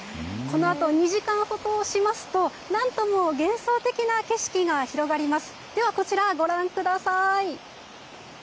このあと２時間ほどしますと何とも幻想的な景色が広がります。